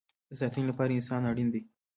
د ساتنې لپاره انسان اړین دی